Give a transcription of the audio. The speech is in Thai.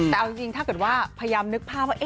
แต่เอาจริงถ้าเกิดว่าพยายามนึกภาพว่า